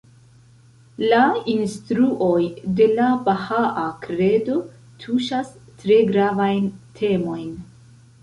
La instruoj de la Bahaa Kredo tuŝas tre gravajn temojn.